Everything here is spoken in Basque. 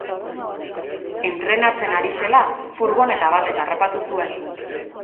Entrenatzen ari zela furgoneta batek harrapatu zuen.